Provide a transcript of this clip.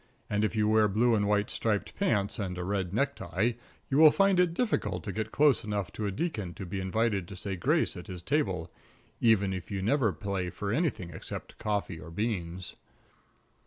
And if you wear blue and white striped pants and a red necktie, you will find it difficult to get close enough to a deacon to be invited to say grace at his table, even if you never play for anything except coffee or beans.